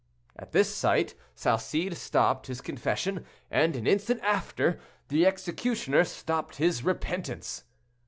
At this sight Salcede stopped his confession, and an instant after, the executioner stopped his repentance.